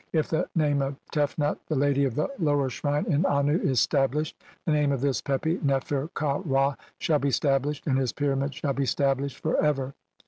If the "name of Tefnut, the lady of the lower shrine in Annu, "is stablished, the name of this Pepi Nefer ka Ra "shall be stablished, and this pyramid shall be sta "blished for ever.